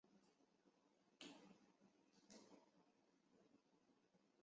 曾祖父吴绍宗。